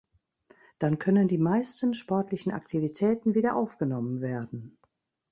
Dann können die meisten sportlichen Aktivitäten wieder aufgenommen werden.